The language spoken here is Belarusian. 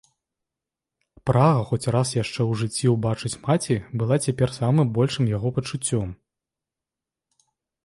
Прага хоць раз яшчэ ў жыцці ўбачыць маці была цяпер самым большым яго пачуццём.